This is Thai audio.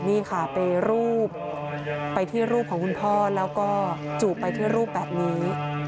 นี่ค่ะไปรูปไปที่รูปของคุณพ่อแล้วก็จูบไปที่รูปแบบนี้